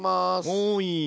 はい。